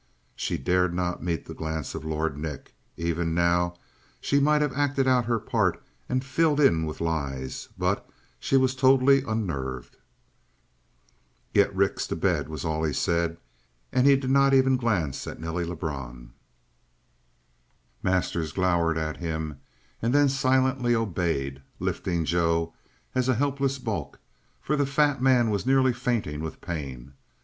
She dared not meet the glance of Lord Nick. Even now she might have acted out her part and filled in with lies, but she was totally unnerved. "Get Rix to bed," was all he said, and he did not even glance at Nelly Lebrun. Masters glowered at him, and then silently obeyed, lifting Joe as a helpless bulk, for the fat man was nearly fainting with pain.